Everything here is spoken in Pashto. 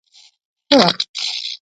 ښه وخت.